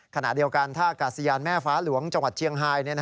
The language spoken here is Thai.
ขณะเดียวกันท่ากาศยานแม่ฟ้าหลวงจังหวัดเชียงไฮ